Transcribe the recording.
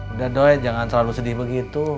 udah doi jangan selalu sedih begitu